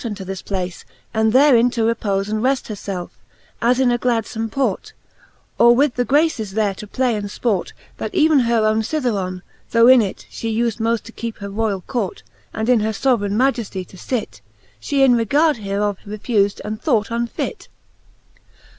Unto this place, and therein to fepbfe And reft her felfe, as in a gladfome port, Or with the Graces there to play and fport ; That even her owne Cytheron, though in it. She ufed moft to keepe jher royall court, And in her foveraine Majefty to fit, She in regard hereof refufde and thought unfit.